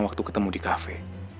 waktu ketemu di kafe